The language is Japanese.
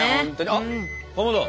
あっかまど。